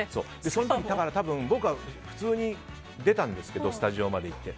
その時僕は普通に出たんですけどスタジオまで行って。